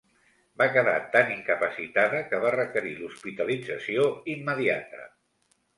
Va quedar tan incapacitada que va requerir hospitalització immediata.